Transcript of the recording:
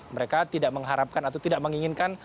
mereka tidak mengharapkan atau tidak menginginkan